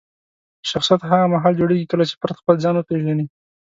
شخصیت هغه مهال جوړېږي کله چې فرد خپل ځان وپیژني.